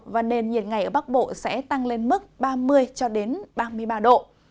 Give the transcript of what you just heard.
và nền nhiệt ngày ở bắc bộ sẽ tăng lên mức ba mươi ba mươi ba độ